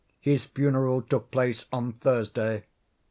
His funeral took place on Thursday.